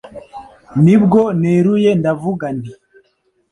ni bwo neruye ndavuga nti